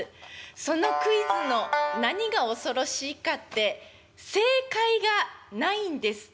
そのクイズの何が恐ろしいかって正解がないんです。